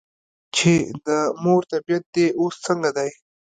چې " د مور طبیعیت دې اوس څنګه دے ؟" ـ